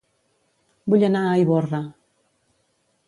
Vull anar a Ivorra